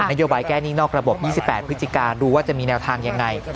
โยบายแก้หนี้นอกระบบ๒๘พฤศจิกาดูว่าจะมีแนวทางยังไง